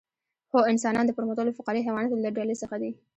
هو انسانان د پرمختللو فقاریه حیواناتو له ډلې څخه دي